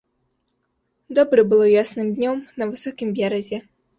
Добра было ясным днём на высокім беразе.